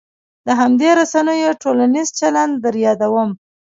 د همدې رسنیو ټولنیز چلن در یادوم.